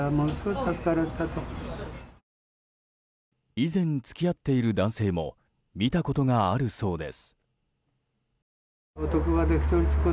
以前付き合っている男性も見たことがあるそうです。